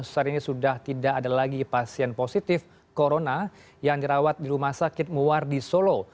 saat ini sudah tidak ada lagi pasien positif corona yang dirawat di rumah sakit muar di solo